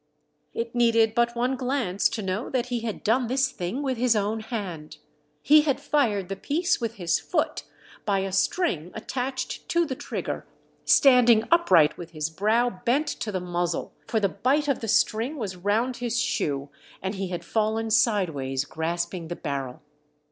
It needed but one glance to know that he had done this thing with his own hand. He had fired the piece with his foot by a string attached to the trigger, standing upright with his brow bent to the muzzle, for the bight of the string was round his shoe, and he had fallen sideways, grasping the barrel.